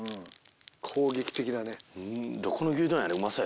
攻撃的なね。